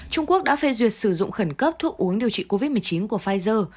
trung quốc đã phê duyệt sử dụng khẩn cấp thuốc uống điều trị covid một mươi chín của pfizer